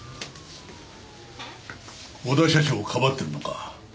小田社長をかばってるのか？